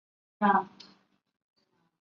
最高法院拒绝审理此案。